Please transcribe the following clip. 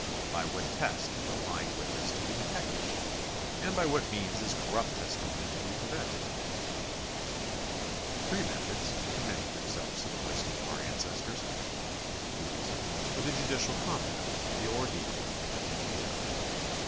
By what test is the lying witness to be detected, and by what means is corrupt testimony to be prevented ? Three methods commended themselves to the wisdom of oar ancestors. These were the judicial combat, the ordeal, and the oath.